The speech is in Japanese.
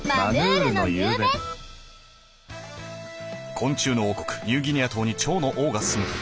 昆虫の王国ニューギニア島に蝶の王が住むという。